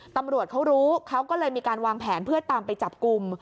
ตำรวจเขารู้เขาก็เลยมีการวางแผนเพื่อตามไปจับกลุ่ม